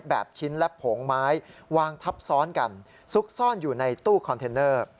แบบชิ้นและโผงไม้วางทับซ้อนกันซุกซ่อนอยู่ในตู้คอนเทนเนอร์